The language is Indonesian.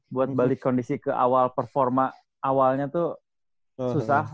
buat balik kondisi ke awal performa awalnya tuh susah